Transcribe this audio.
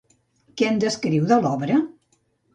Què en descriu, de l'obra?